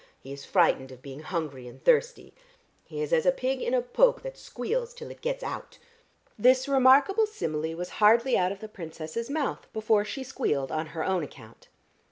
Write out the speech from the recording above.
He is frightened of being hungry and thirsty. He is as a pig in a poke that squeals till it gets out." This remarkable simile was hardly out of the Princess's mouth before she squealed on her own account.